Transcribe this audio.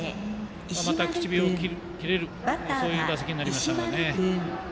また口火を切れるそういう打席になりましたね。